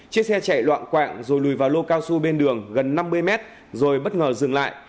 chiếc xe chạy loạn quạng rồi lùi vào lô cao su bên đường gần năm mươi mét rồi bất ngờ dừng lại